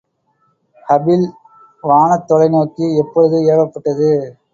Hubble வானத்தொலைநோக்கி எப்பொழுது ஏவப்பட்டது?